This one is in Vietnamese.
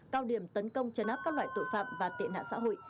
cao điểm tấn công chấn áp các loại tội phạm và tệ nạn xã hội